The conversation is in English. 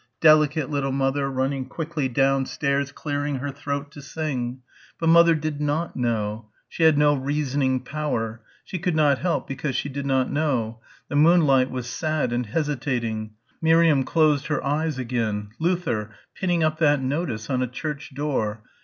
Delicate little mother, running quickly downstairs clearing her throat to sing. But mother did not know. She had no reasoning power. She could not help because she did not know. The moonlight was sad and hesitating. Miriam closed her eyes again. Luther ... pinning up that notice on a church door....